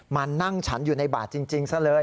มานั่งฉันอยู่ในบาทจริงซะเลย